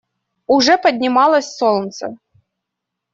Уже поднималось солнце.